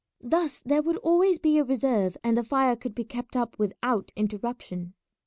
Thus there would always be a reserve and the fire could be kept up without interruption.